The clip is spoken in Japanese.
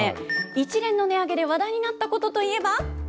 一連の値上げで話題になったことといえば？